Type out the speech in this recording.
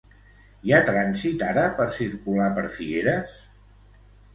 Hi ha trànsit ara per circular per Figueres?